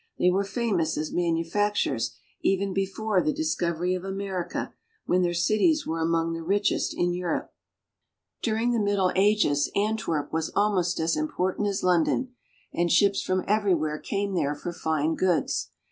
They were famous as manufacturers even before the discovery of America, when their cities were among the richest of Europe. During the Middle Ages Antwerp was almost as important as 128 BELGIUM. London, and ships from everywhere came there for fine goods.